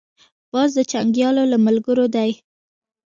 باز د جنګیالیو له ملګرو دی